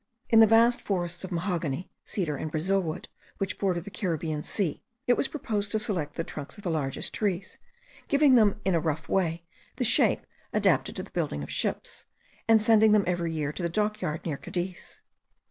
In the vast forests of mahogany, cedar, and brazil wood, which border the Caribbean Sea, it was proposed to select the trunks of the largest trees, giving them in a rough way the shape adapted to the building of ships, and sending them every year to the dockyard near Cadiz.